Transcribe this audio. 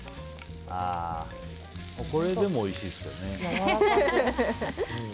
これで、もうおいしいですけどね。